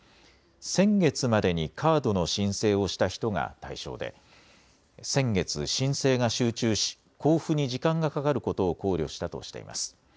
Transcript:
先月までにカードの申請をした人が対象で先月、申請が集中し交付に時間がかかることを考慮したとしています。